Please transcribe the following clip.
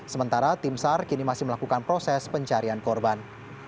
sementara tim sar kini masih melakukan proses pencarian korban